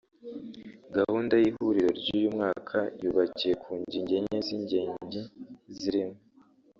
Gahunda y’ihuriro ry’uyu mwaka yubakiye ku ngingo enye z’ingengi zirimo